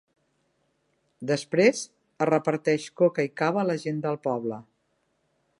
Després, es reparteix coca i cava a la gent del poble.